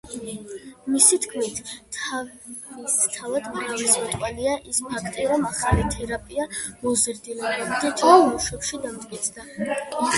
მისი თქმით, თავისთავად მრავლისმეტყველია ის ფაქტი, რომ ახალი თერაპია მოზრდილებამდე ჯერ ბავშვებში დამტკიცდა.